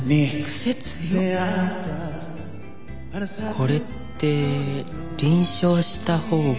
これって輪唱した方が。